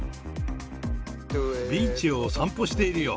ビーチを散歩しているよ。